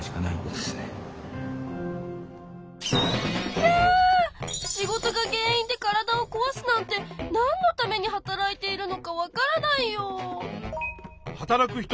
ひゃ仕事が原因で体をこわすなんてなんのために働いているのかわからないよ。